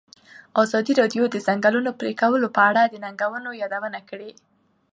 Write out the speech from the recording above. ازادي راډیو د د ځنګلونو پرېکول په اړه د ننګونو یادونه کړې.